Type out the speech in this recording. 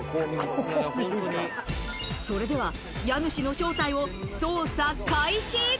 それでは家主の正体を捜査開始。